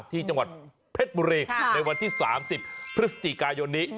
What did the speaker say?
ที่จังหวัดเพชรบุรีในวันที่๓๐พฤศจิกายนนี้